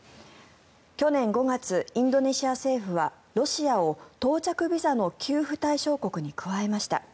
去年５月、インドネシア政府はロシアを到着ビザの給付対象国に加えました。